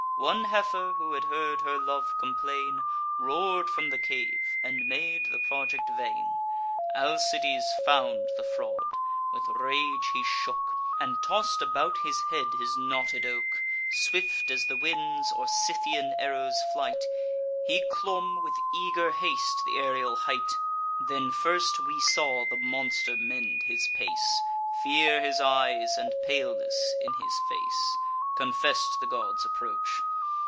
One heifer, who had heard her love complain, Roar'd from the cave, and made the project vain. Alcides found the fraud; with rage he shook, And toss'd about his head his knotted oak. Swift as the winds, or Scythian arrows' flight, He clomb, with eager haste, th' aerial height. Then first we saw the monster mend his pace; Fear in his eyes, and paleness in his face, Confess'd the god's approach.